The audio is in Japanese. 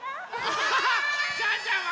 ジャンジャーン！